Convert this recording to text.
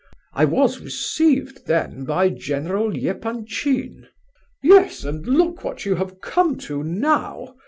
I was received then by General Epanchin." "Yes, and look what you have come to now!"